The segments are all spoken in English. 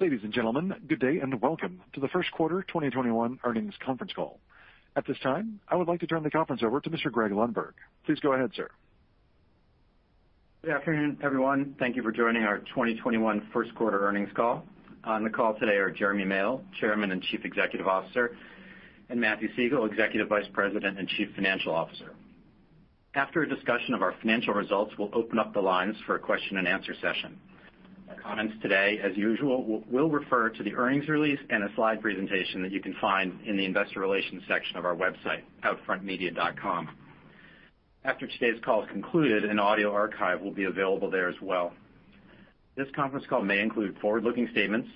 Ladies and gentlemen, good day, and welcome to the first quarter 2021 earnings conference call. At this time, I would like to turn the conference over to Mr. Greg Lundberg. Please go ahead, sir. Good afternoon, everyone. Thank you for joining our 2021 first quarter earnings call. On the call today are Jeremy Male, Chairman and Chief Executive Officer, and Matthew Siegel, Executive Vice President and Chief Financial Officer. After a discussion of our financial results, we'll open up the lines for a question and answer session. Our comments today, as usual, will refer to the earnings release and a slide presentation that you can find in the investor relations section of our website, outfrontmedia.com. After today's call is concluded, an audio archive will be available there as well. This conference call may include forward-looking statements.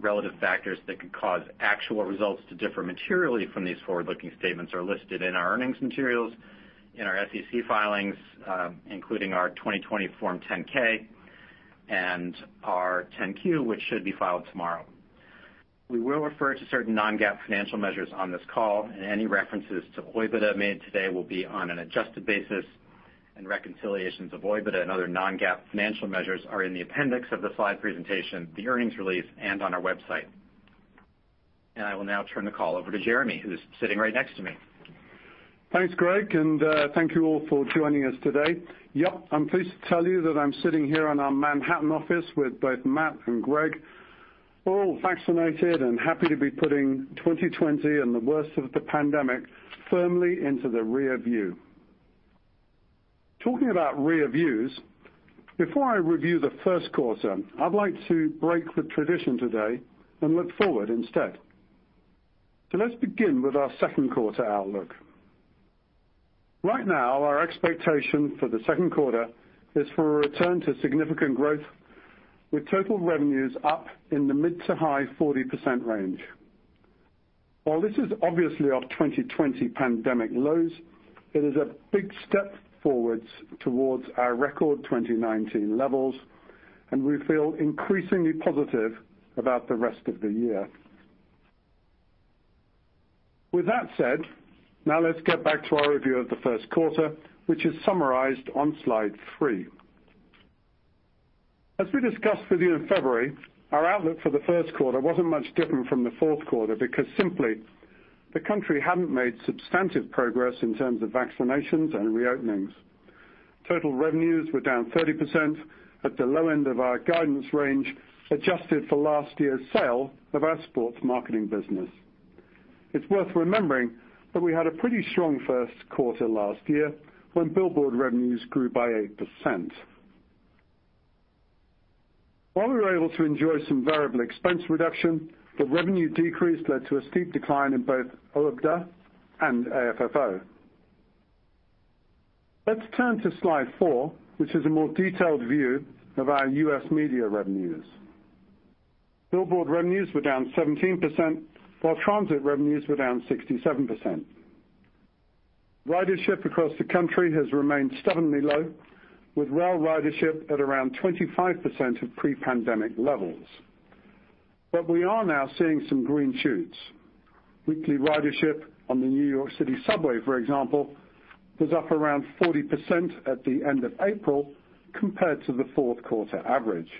Relative factors that could cause actual results to differ materially from these forward-looking statements are listed in our earnings materials, in our SEC filings, including our 2020 Form 10-K and our 10-Q, which should be filed tomorrow. We will refer to certain non-GAAP financial measures on this call, and any references to OIBDA made today will be on an adjusted basis, and reconciliations of OIBDA and other non-GAAP financial measures are in the appendix of the slide presentation, the earnings release, and on our website. I will now turn the call over to Jeremy, who's sitting right next to me. Thanks, Greg, and thank you all for joining us today. I'm pleased to tell you that I'm sitting here in our Manhattan office with both Matt and Greg, all vaccinated and happy to be putting 2020 and the worst of the pandemic firmly into the rear view. Talking about rear views, before I review the first quarter, I'd like to break with tradition today and look forward instead. Let's begin with our second quarter outlook. Right now, our expectation for the second quarter is for a return to significant growth, with total revenues up in the mid to high 40% range. While this is obviously off 2020 pandemic lows, it is a big step forwards towards our record 2019 levels, and we feel increasingly positive about the rest of the year. With that said, now let's get back to our review of the first quarter, which is summarized on slide three. As we discussed with you in February, our outlook for the first quarter wasn't much different from the fourth quarter because simply, the country hadn't made substantive progress in terms of vaccinations and reopenings. Total revenues were down 30% at the low end of our guidance range, adjusted for last year's sale of our sports marketing business. It's worth remembering that we had a pretty strong first quarter last year when billboard revenues grew by 8%. While we were able to enjoy some variable expense reduction, the revenue decrease led to a steep decline in both OIBDA and AFFO. Let's turn to slide four, which is a more detailed view of our U.S. media revenues. Billboard revenues were down 17%, while transit revenues were down 67%. Ridership across the country has remained stubbornly low, with rail ridership at around 25% of pre-pandemic levels. We are now seeing some green shoots. Weekly ridership on the New York City subway, for example, was up around 40% at the end of April compared to the fourth quarter average.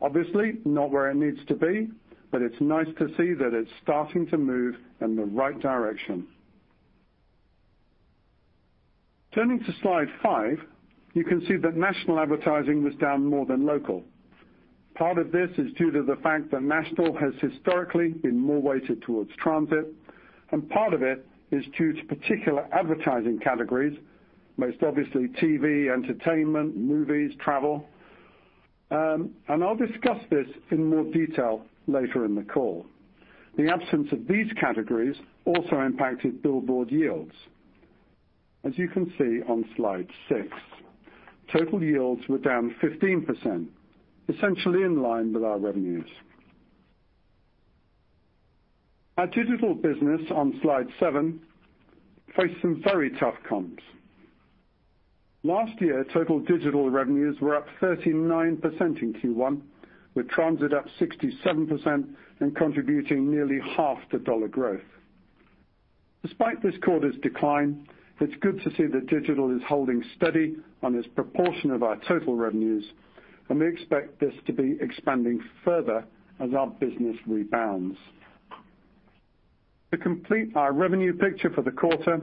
Obviously, not where it needs to be, but it's nice to see that it's starting to move in the right direction. Turning to slide five, you can see that national advertising was down more than local. Part of this is due to the fact that national has historically been more weighted towards transit, and part of it is due to particular advertising categories, most obviously TV, entertainment, movies, travel. I'll discuss this in more detail later in the call. The absence of these categories also impacted billboard yields, as you can see on slide six. Total yields were down 15%, essentially in line with our revenues. Our digital business, on slide seven, faced some very tough comps. Last year, total digital revenues were up 39% in Q1, with transit up 67% and contributing nearly half the dollar growth. Despite this quarter's decline, it's good to see that digital is holding steady on its proportion of our total revenues, and we expect this to be expanding further as our business rebounds. To complete our revenue picture for the quarter,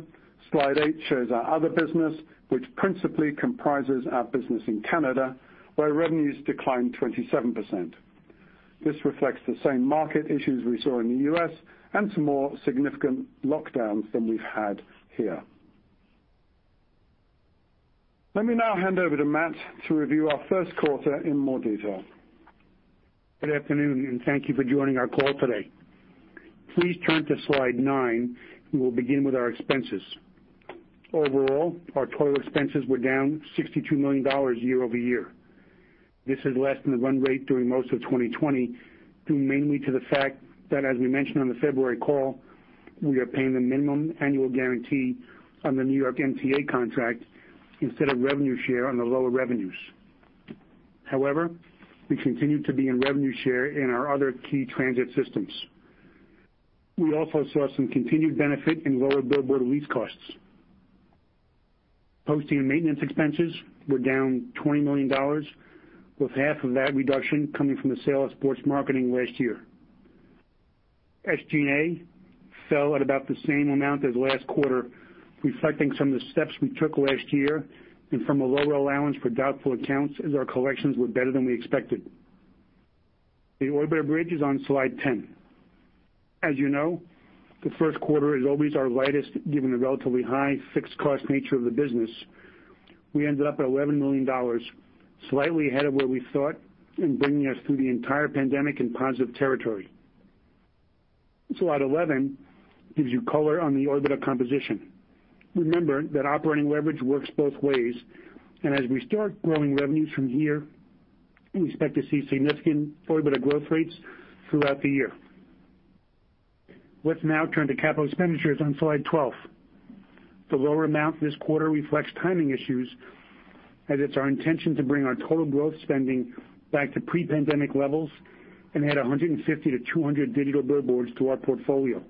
slide eight shows our other business, which principally comprises our business in Canada, where revenues declined 27%. This reflects the same market issues we saw in the U.S. and some more significant lockdowns than we've had here. Let me now hand over to Matt to review our first quarter in more detail. Good afternoon, and thank you for joining our call today. Please turn to slide nine. We will begin with our expenses. Overall, our total expenses were down $62 million year-over-year. This is less than the run rate during most of 2020, due mainly to the fact that, as we mentioned on the February call, we are paying the Minimum Annual Guarantee on the New York MTA contract instead of revenue share on the lower revenues. However, we continue to be in revenue share in our other key transit systems. We also saw some continued benefit in lower billboard lease costs. Posting and maintenance expenses were down $20 million, with half of that reduction coming from the sale of sports marketing last year. SG&A fell at about the same amount as last quarter, reflecting some of the steps we took last year and from a lower allowance for doubtful accounts as our collections were better than we expected. The OIBDA bridge is on slide 10. As you know, the first quarter is always our lightest, given the relatively high fixed cost nature of the business. We ended up at $11 million, slightly ahead of where we thought, and bringing us through the entire pandemic in positive territory. Slide 11 gives you color on the OIBDA composition. As we start growing revenues from here, we expect to see significant OIBDA growth rates throughout the year. Let's now turn to capital expenditures on slide 12. The lower amount this quarter reflects timing issues, as it's our intention to bring our total growth spending back to pre-pandemic levels and add 150-200 digital billboards to our portfolio.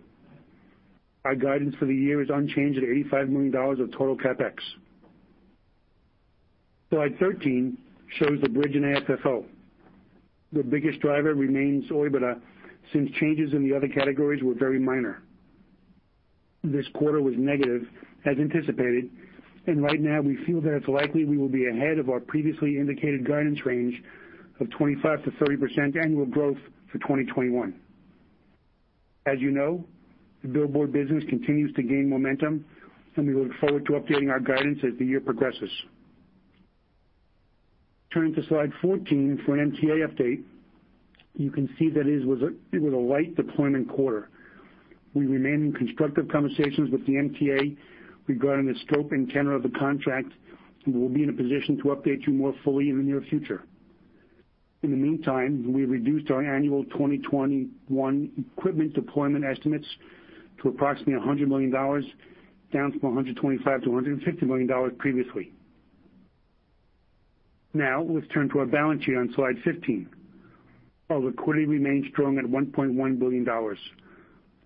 Our guidance for the year is unchanged at $85 million of total CapEx. Slide 13 shows the bridge in AFFO. The biggest driver remains OIBDA, since changes in the other categories were very minor. This quarter was negative, as anticipated. Right now we feel that it's likely we will be ahead of our previously indicated guidance range of 25%-30% annual growth for 2021. As you know, the billboard business continues to gain momentum, and we look forward to updating our guidance as the year progresses. Turning to slide 14 for an MTA update. You can see that it was a light deployment quarter. We remain in constructive conversations with the MTA regarding the scope and tenor of the contract, and we'll be in a position to update you more fully in the near future. In the meantime, we reduced our annual 2021 equipment deployment estimates to approximately $100 million, down from $125 million-$150 million previously. Let's turn to our balance sheet on slide 15. Our liquidity remains strong at $1.1 billion. Our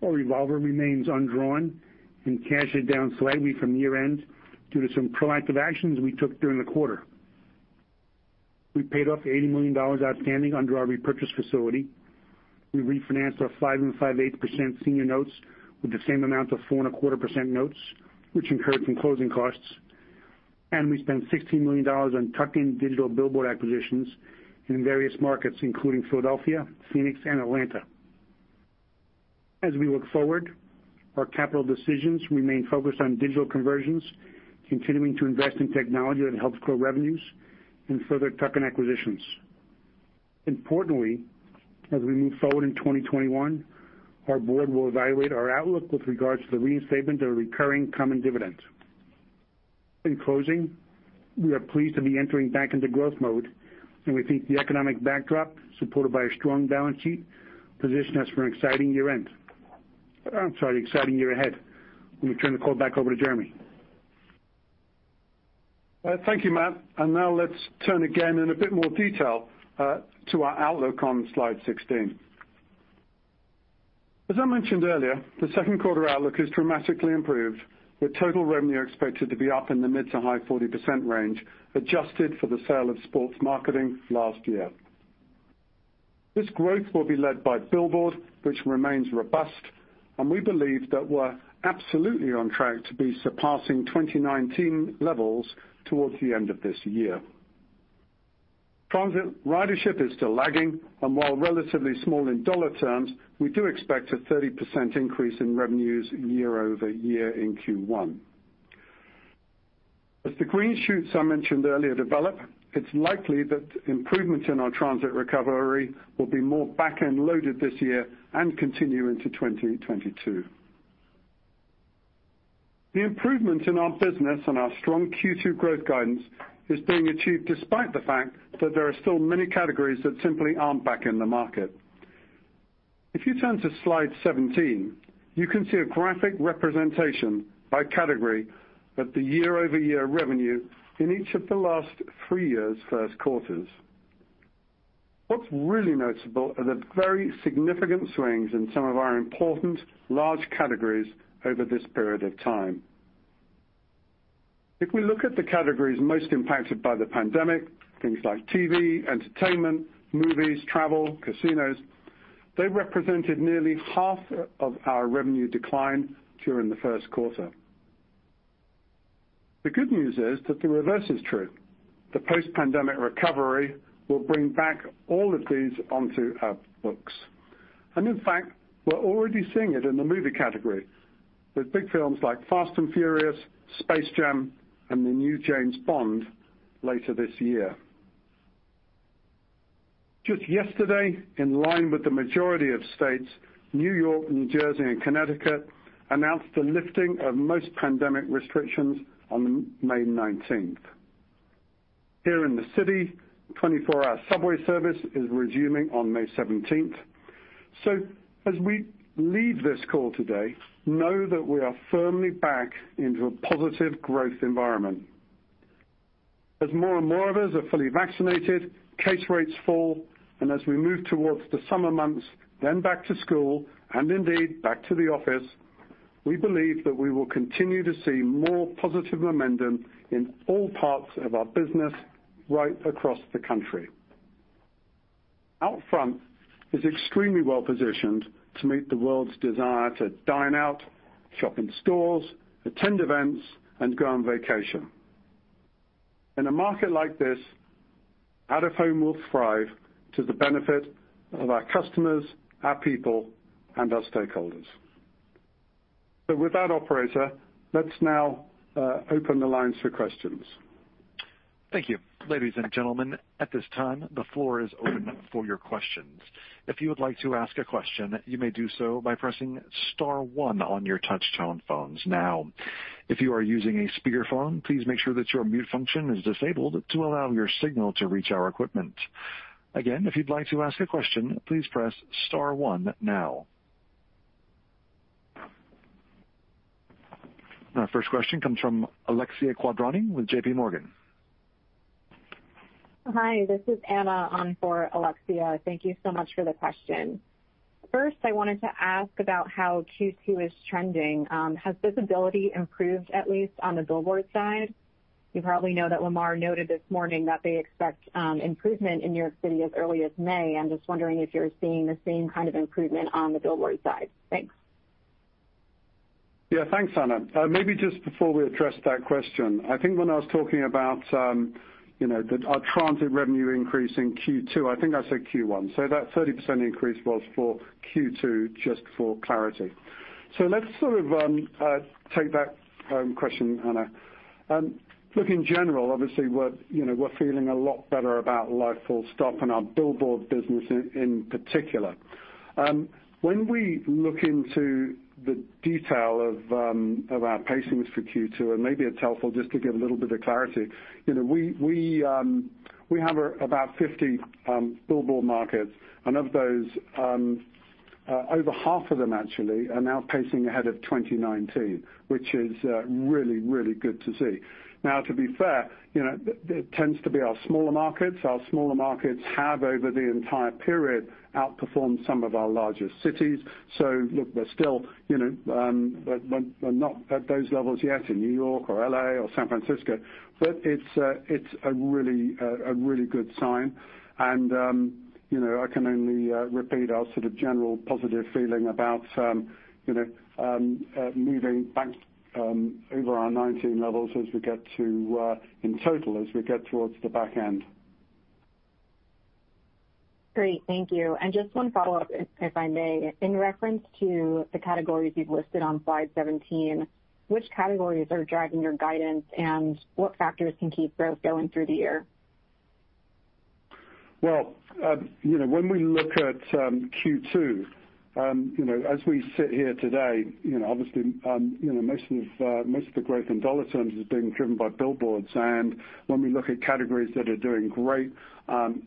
revolver remains undrawn, and cash is down slightly from year-end due to some proactive actions we took during the quarter. We paid off $80 million outstanding under our repurchase facility. We refinanced our 5.58% senior notes with the same amount of 4.25% notes, which incurred some closing costs. We spent $16 million on tuck-in digital billboard acquisitions in various markets, including Philadelphia, Phoenix, and Atlanta. As we look forward, our capital decisions remain focused on digital conversions, continuing to invest in technology that helps grow revenues, and further tuck-in acquisitions. Importantly, as we move forward in 2021, our board will evaluate our outlook with regards to the reinstatement of recurring common dividends. In closing, we are pleased to be entering back into growth mode, and we think the economic backdrop, supported by a strong balance sheet, positions us for an exciting year end. I'm sorry, exciting year ahead. Let me turn the call back over to Jeremy. Thank you, Matt. Now let's turn again in a bit more detail to our outlook on slide 16. As I mentioned earlier, the second quarter outlook is dramatically improved, with total revenue expected to be up in the mid to high 40% range, adjusted for the sale of sports marketing last year. This growth will be led by billboard, which remains robust, and we believe that we're absolutely on track to be surpassing 2019 levels towards the end of this year. Transit ridership is still lagging, and while relatively small in dollar terms, we do expect a 30% increase in revenues year-over-year in Q1. As the green shoots I mentioned earlier develop, it's likely that improvement in our transit recovery will be more back-end loaded this year and continue into 2022. The improvement in our business and our strong Q2 growth guidance is being achieved despite the fact that there are still many categories that simply aren't back in the market. If you turn to slide 17, you can see a graphic representation by category of the year-over-year revenue in each of the last three years' first quarters. What's really noticeable are the very significant swings in some of our important large categories over this period of time. If we look at the categories most impacted by the pandemic, things like TV, entertainment, movies, travel, casinos, they represented nearly half of our revenue decline during the first quarter. The good news is that the reverse is true. The post-pandemic recovery will bring back all of these onto our books. In fact, we're already seeing it in the movie category with big films like Fast & Furious, Space Jam, and the new James Bond later this year. Just yesterday, in line with the majority of states, New York, New Jersey, and Connecticut announced the lifting of most pandemic restrictions on May 19th. Here in the city, 24-hour subway service is resuming on May 17th. As we leave this call today, know that we are firmly back into a positive growth environment. As more and more of us are fully vaccinated, case rates fall, and as we move towards the summer months, then back to school and indeed back to the office, we believe that we will continue to see more positive momentum in all parts of our business right across the country. Outfront is extremely well-positioned to meet the world's desire to dine out, shop in stores, attend events, and go on vacation. In a market like this, out of home will thrive to the benefit of our customers, our people, and our stakeholders. With that, operator, let's now open the lines for questions. Thank you. Ladies and gentlemen, at this time, the floor is open for your questions. If you would like to ask a question you may do so by pressing star one on your touch tone phones now. If you are using a speaker phone please make sure that your mute function is disabled to allow your signal to reach our equipment. Again if you would like to ask a question please press star one now. Our first question comes from Alexia Quadrani with JPMorgan. Hi, this is Anna on for Alexia. Thank you so much for the question. First, I wanted to ask about how Q2 is trending. Has visibility improved, at least on the billboard side? You probably know that Lamar noted this morning that they expect improvement in New York City as early as May. I'm just wondering if you're seeing the same kind of improvement on the billboard side. Thanks. Yeah. Thanks, Anna. Maybe just before we address that question, I think when I was talking about our transit revenue increase in Q2, I think I said Q1, so that 30% increase was for Q2, just for clarity. Let's sort of take that question, Anna. Look, in general, obviously, we're feeling a lot better about life full stop and our billboard business in particular. When we look into the detail of our pacings for Q2, and maybe it's helpful just to give a little bit of clarity. We have about 50 billboard markets, and of those, over half of them actually are now pacing ahead of 2019, which is really, really good to see. Now, to be fair, it tends to be our smaller markets. Our smaller markets have, over the entire period, outperformed some of our larger cities. Look, we're still not at those levels yet in New York or L.A. or San Francisco, but it's a really good sign. I can only repeat our sort of general positive feeling about moving back over our 2019 levels in total, as we get towards the back end. Great. Thank you. Just one follow-up, if I may. In reference to the categories you've listed on slide 17, which categories are driving your guidance, and what factors can keep growth going through the year? Well, when we look at Q2, as we sit here today, obviously, most of the growth in dollar terms is being driven by billboards. When we look at categories that are doing great,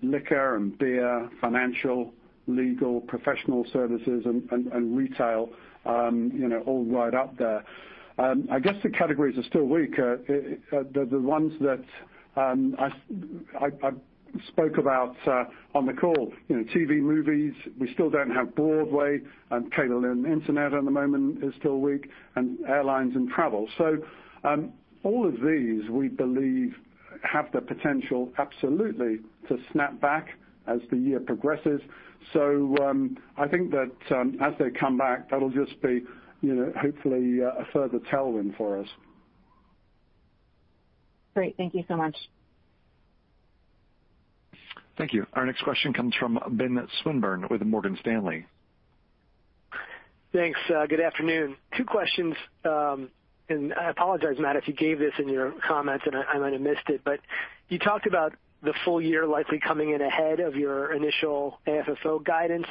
liquor and beer, financial, legal, professional services, and retail all right up there. I guess the categories are still weak are the ones that I spoke about on the call. TV, movies. We still don't have Broadway. Cable and internet at the moment is still weak, and airlines and travel. All of these, we believe, have the potential absolutely to snap back as the year progresses. I think that as they come back, that'll just be hopefully a further tailwind for us. Great. Thank you so much. Thank you. Our next question comes from Ben Swinburne with Morgan Stanley. Thanks. Good afternoon. Two questions. I apologize, Matt, if you gave this in your comments, and I might have missed it, but you talked about the full year likely coming in ahead of your initial AFFO guidance.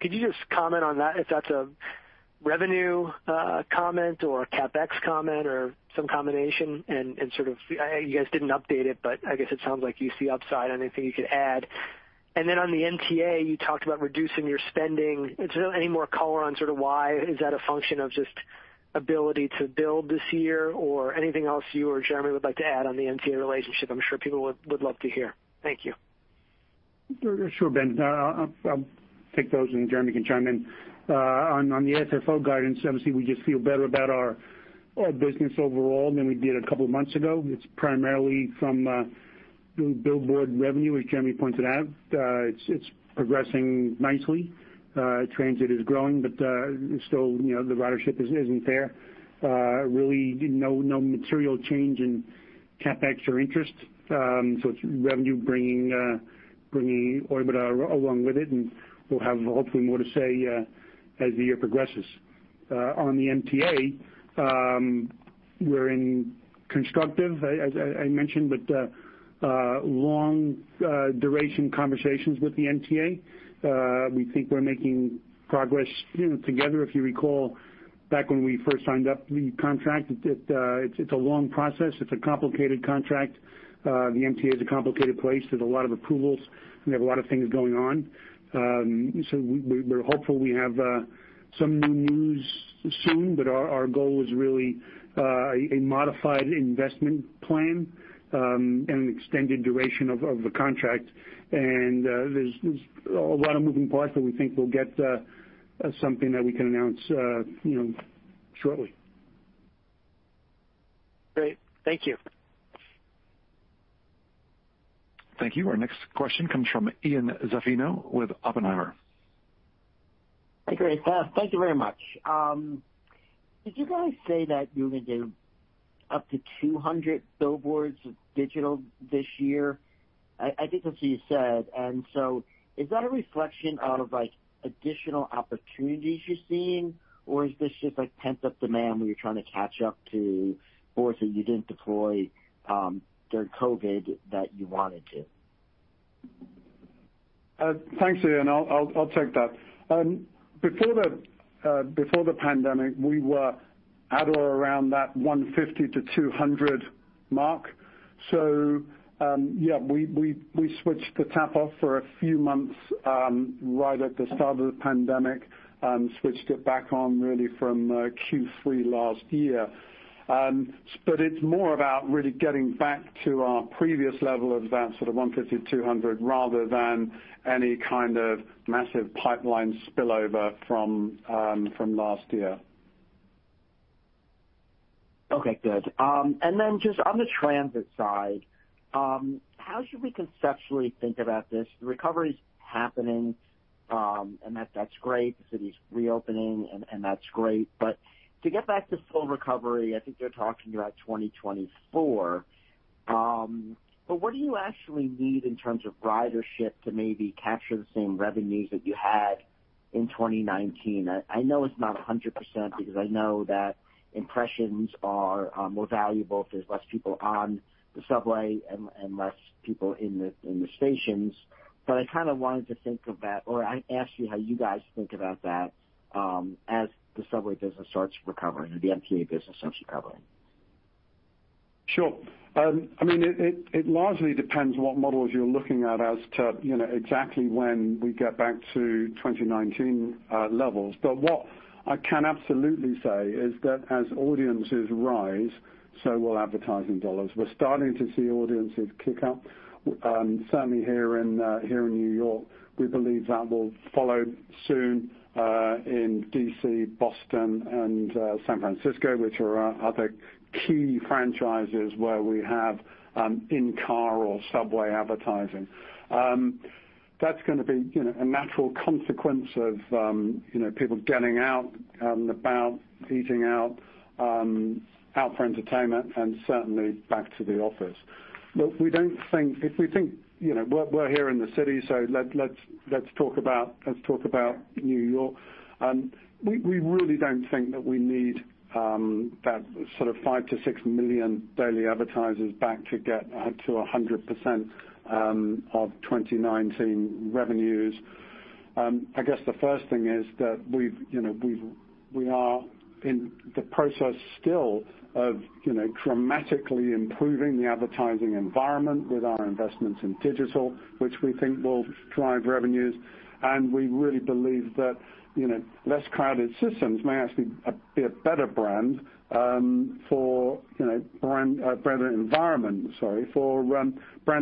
Could you just comment on that, if that's a revenue comment or a CapEx comment or some combination, and sort of you guys didn't update it, but I guess it sounds like you see upside. Anything you could add? On the MTA, you talked about reducing your spending. Is there any more color on sort of why? Is that a function of just ability to build this year or anything else you or Jeremy would like to add on the MTA relationship? I'm sure people would love to hear. Thank you. Sure, Ben. I'll take those, and Jeremy can chime in. On the AFFO guidance, obviously, we just feel better about our business overall than we did a couple of months ago. It's primarily from billboard revenue, as Jeremy pointed out. It's progressing nicely. Transit is growing, but still the ridership isn't there. Really no material change in CapEx or interest. It's revenue bringing OIBDA along with it, and we'll have hopefully more to say as the year progresses. On the MTA, we're in constructive, as I mentioned, but long duration conversations with the MTA. We think we're making progress together. If you recall back when we first signed up the contract, it's a long process. It's a complicated contract. The MTA is a complicated place. There's a lot of approvals, and they have a lot of things going on. We're hopeful we have some new news soon, but our goal is really a modified investment plan and an extended duration of the contract. There's a lot of moving parts that we think will get something that we can announce shortly. Great. Thank you. Thank you. Our next question comes from Ian Zaffino with Oppenheimer. Hi, great. Thank you very much. Did you guys say that you were going to do up to 200 billboards with digital this year? I think that's what you said. Is that a reflection out of additional opportunities you're seeing, or is this just pent-up demand where you're trying to catch up to boards that you didn't deploy during COVID that you wanted to? Thanks, Ian. I'll take that. Before the pandemic, we were at or around that 150-200 Mark. Yeah, we switched the tap off for a few months right at the start of the pandemic, and switched it back on really from Q3 last year. It's more about really getting back to our previous level of that sort of 150-200 rather than any kind of massive pipeline spillover from last year. Okay, good. Just on the transit side, how should we conceptually think about this? The recovery's happening, and that's great. The city's reopening, and that's great. To get back to full recovery, I think they're talking about 2024. What do you actually need in terms of ridership to maybe capture the same revenues that you had in 2019? I know it's not 100%, because I know that impressions are more valuable if there's less people on the subway and less people in the stations. I kind of wanted to think of that, or I ask you how you guys think about that, as the subway business starts recovering or the MTA business starts recovering. Sure. It largely depends what models you're looking at as to exactly when we get back to 2019 levels. What I can absolutely say is that as audiences rise, so will advertising dollars. We're starting to see audiences kick up, certainly here in New York. We believe that will follow soon in D.C., Boston, and San Francisco, which are our other key franchises where we have in-car or subway advertising. That's going to be a natural consequence of people getting out and about, eating out for entertainment, and certainly back to the office. Look, we're here in the city, let's talk about New York. We really don't think that we need that sort of 5 million-6 million daily advertisers back to get to 100% of 2019 revenues. I guess the first thing is that we are in the process still of dramatically improving the advertising environment with our investments in digital, which we think will drive revenues. We really believe that less crowded systems may actually be a better environment for brand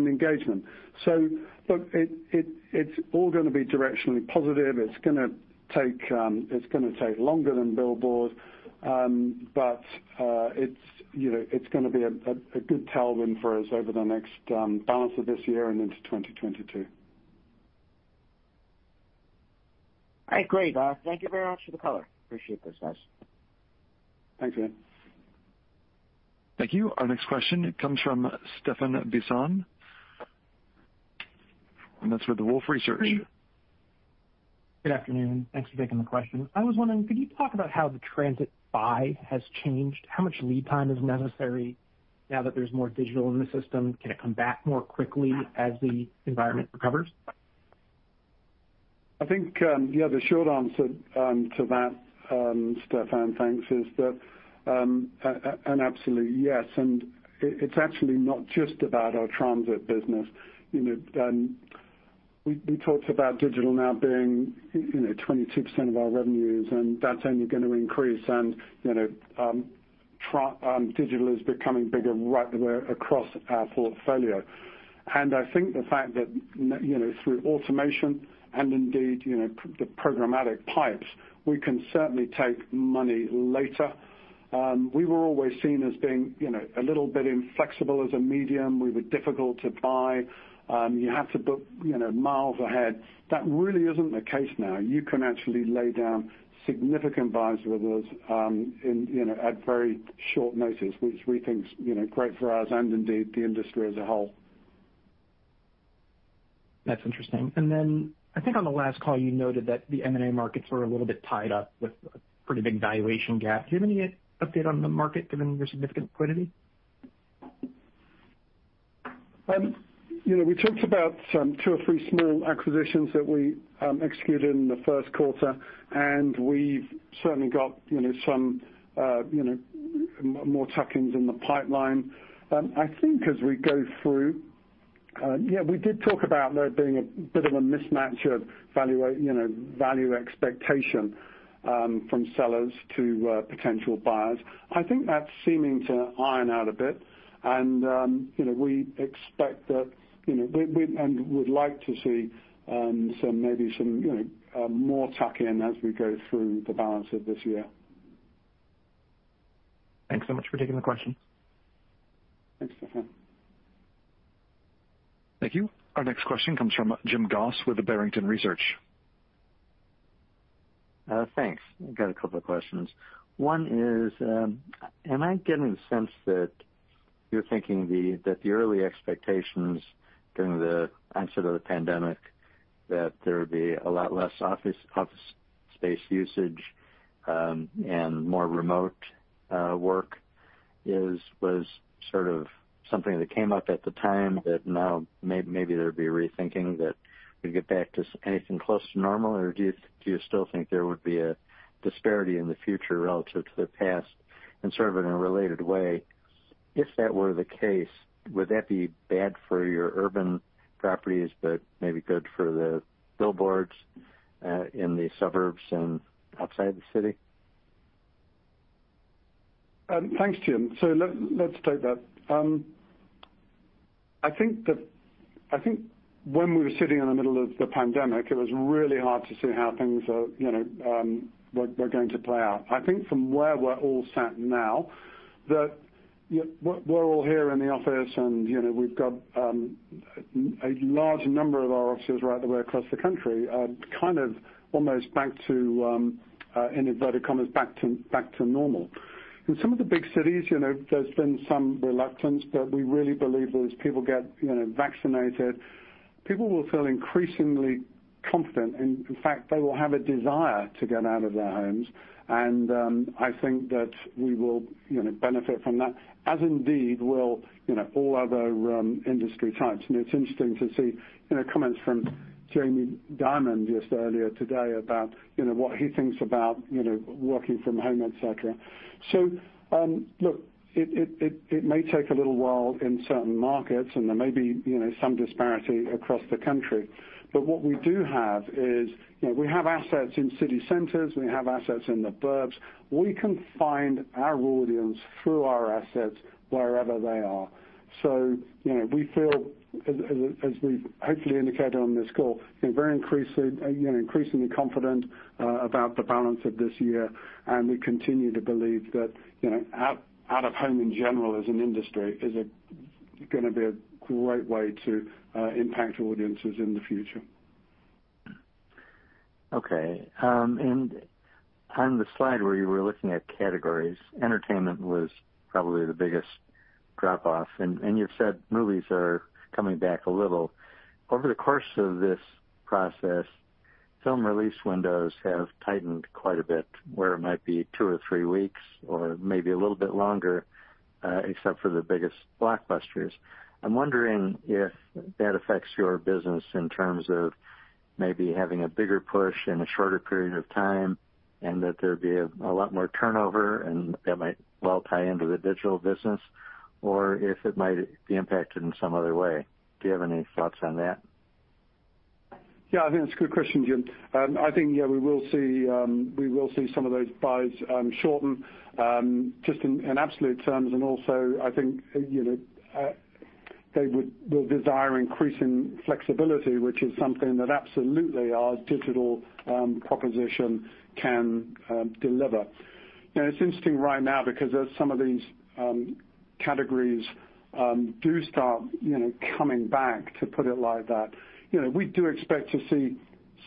engagement. Look, it's all going to be directionally positive. It's going to take longer than billboards, but it's going to be a good tailwind for us over the next balance of this year and into 2022. All right, great. Thank you very much for the color. Appreciate this, guys. Thanks, Ian. Thank you. Our next question comes from Stephan Bisson, and that's with the Wolfe Research. Good afternoon. Thanks for taking the question. I was wondering, could you talk about how the transit buy has changed? How much lead time is necessary now that there's more digital in the system? Can it come back more quickly as the environment recovers? I think the short answer to that, Stephan, thanks, is an absolute yes. It's actually not just about our transit business. We talked about digital now being 22% of our revenues, and that's only going to increase. Digital is becoming bigger right the way across our portfolio. I think the fact that through automation and indeed the programmatic pipes, we can certainly take money later. We were always seen as being a little bit inflexible as a medium. We were difficult to buy. You had to book miles ahead. That really isn't the case now. You can actually lay down significant buys with us at very short notice, which we think is great for us and indeed the industry as a whole. That's interesting. I think on the last call, you noted that the M&A markets were a little bit tied up with a pretty big valuation gap. Do you have any update on the market given your significant liquidity? We talked about some two or three small acquisitions that we executed in the first quarter, and we've certainly got some more tuck-ins in the pipeline. I think as we go through, we did talk about there being a bit of a mismatch of value expectation from sellers to potential buyers. I think that's seeming to iron out a bit, and we expect that and would like to see maybe some more tuck-in as we go through the balance of this year. Thanks so much for taking the question. Thanks, Stephan. Thank you. Our next question comes from Jim Goss with the Barrington Research. Thanks. I've got a couple of questions. One is, am I getting the sense that you're thinking that the early expectations during the onset of the pandemic, that there would be a lot less office space usage, and more remote work was sort of something that came up at the time, that now maybe there'd be a rethinking that we'd get back to anything close to normal? Or do you still think there would be a disparity in the future relative to the past? Sort of in a related way, if that were the case, would that be bad for your urban properties, but maybe good for the billboards, in the suburbs and outside the city? Thanks, Jim. Let's take that. I think when we were sitting in the middle of the pandemic, it was really hard to see how things were going to play out. I think from where we're all sat now, that we're all here in the office and we've got a large number of our offices right the way across the country, kind of almost back to, in inverted commas, back to normal. In some of the big cities, there's been some reluctance. We really believe that as people get vaccinated, people will feel increasingly confident, and in fact, they will have a desire to get out of their homes. I think that we will benefit from that, as indeed will all other industry types. It's interesting to see comments from Jamie Dimon just earlier today about what he thinks about working from home, et cetera. Look, it may take a little while in certain markets, and there may be some disparity across the country. What we do have is, we have assets in city centers, we have assets in the burbs. We can find our audience through our assets wherever they are. We feel, as we hopefully indicated on this call, very increasingly confident about the balance of this year, and we continue to believe that out of home in general as an industry is going to be a great way to impact audiences in the future. Okay. On the slide where you were looking at categories, entertainment was probably the biggest drop-off. You've said movies are coming back a little. Over the course of this process, film release windows have tightened quite a bit, where it might be two or three weeks or maybe a little bit longer, except for the biggest blockbusters. I'm wondering if that affects your business in terms of maybe having a bigger push in a shorter period of time, and that there'd be a lot more turnover, and that might well tie into the digital business, or if it might be impacted in some other way. Do you have any thoughts on that? Yeah, I think that's a good question, Jim. I think we will see some of those buys shorten, just in absolute terms, and also I think they will desire increasing flexibility, which is something that absolutely our digital proposition can deliver. It's interesting right now because as some of these categories do start coming back, to put it like that, we do expect to see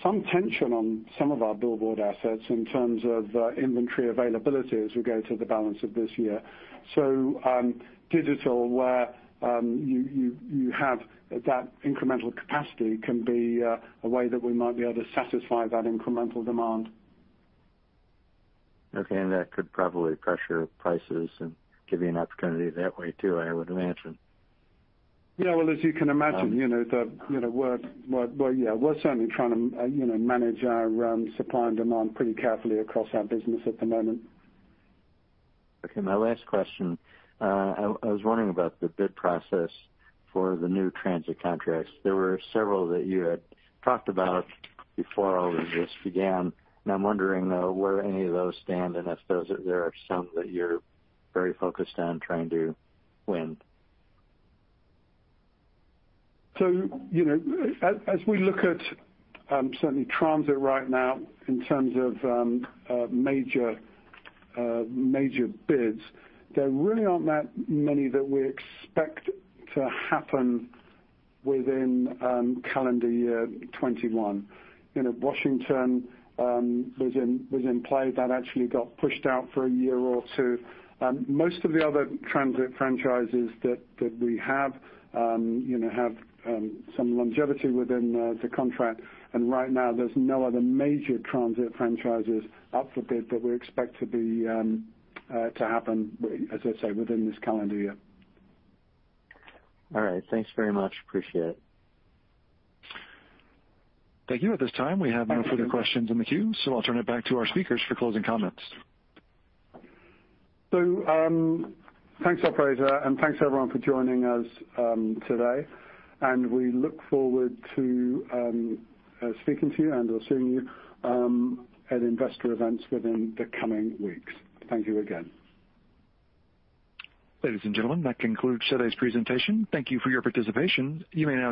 some tension on some of our billboard assets in terms of inventory availability as we go to the balance of this year. Digital, where you have that incremental capacity, can be a way that we might be able to satisfy that incremental demand. Okay, that could probably pressure prices and give you an opportunity that way too, I would imagine. Well, as you can imagine. We're certainly trying to manage our supply and demand pretty carefully across our business at the moment. Okay, my last question. I was wondering about the bid process for the new transit contracts. There were several that you had talked about before all of this began, and I'm wondering, though, where any of those stand, and if there are some that you're very focused on trying to win? As we look at certainly transit right now in terms of major bids, there really aren't that many that we expect to happen within calendar year 2021. Washington was in play. That actually got pushed out for a year or two. Most of the other transit franchises that we have some longevity within the contract. Right now, there's no other major transit franchises up for bid that we expect to happen, as I say, within this calendar year. All right. Thanks very much. Appreciate it. Thank you. At this time, we have no further questions in the queue. I'll turn it back to our speakers for closing comments. Thanks, operator, and thanks, everyone, for joining us today. We look forward to speaking to you and/or seeing you at investor events within the coming weeks. Thank you again. Ladies and gentlemen, that concludes today's presentation. Thank you for your participation. You may now disconnect.